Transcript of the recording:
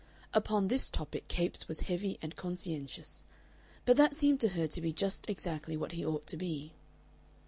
Upon this topic Capes was heavy and conscientious, but that seemed to her to be just exactly what he ought to be.